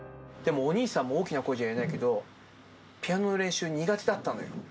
でもお兄さんも大きな声じゃ言えないけど、ピアノの練習、苦手だったのよ。